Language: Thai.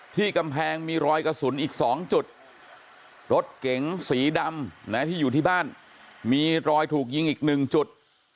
ที่กำแพงมีรอยกระสุนอีก๒จุดรถเก๋งสีดำนะที่อยู่ที่บ้านมีรอยถูกยิงอีก๑จุด